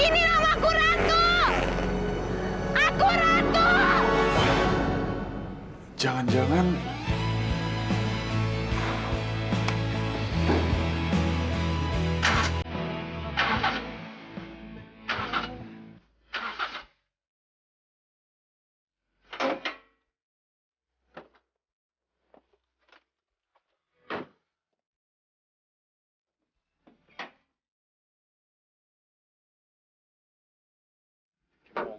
ini namaku ratu